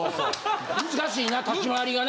難しいな立ち回りがな。